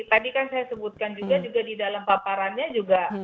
tadi kan saya sebutkan juga di dalam paparannya juga